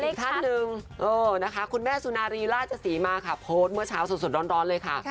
อีกท่านหนึ่งนะคะคุณแม่สุนารีราชศรีมาค่ะโพสต์เมื่อเช้าสดร้อนเลยค่ะ